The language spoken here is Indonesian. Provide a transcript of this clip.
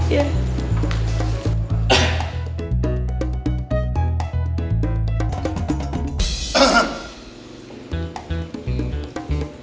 kamu ngepel nek